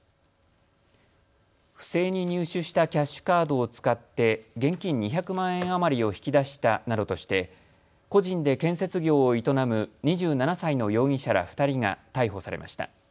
不正に入手したキャッシュカードを使って現金２００万円余りを引き出したなどとして個人で建設業を営む２７歳の容疑者ら２人が逮捕されました。